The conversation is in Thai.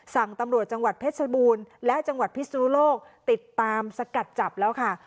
สั่งตำรวจจังหวัดเพชรบูรณ์และจังหวัดพิศนุโลกติดตามสกัดจับแล้วค่ะ